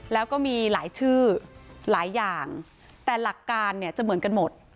แล้วก็มีหลายชื่อหลายอย่างแต่หลักการเนี่ยจะเหมือนกันหมด